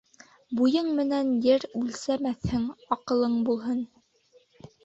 Буйың менән ер үлсәмәҫһең аҡылың булһын.